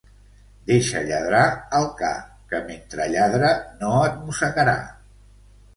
Deixa lladrar al ca, que mentre lladra no et mossegarà.